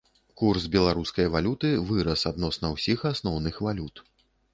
Курс беларускай валюты вырас адносна ўсіх асноўных валют.